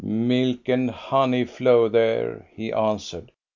" Milk and honey flow there," he answered.